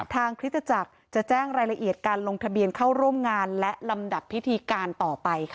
คริสตจักรจะแจ้งรายละเอียดการลงทะเบียนเข้าร่วมงานและลำดับพิธีการต่อไปค่ะ